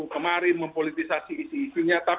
kemarin mempolitisasi isinya